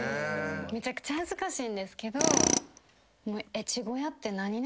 めちゃくちゃ恥ずかしいんですけど。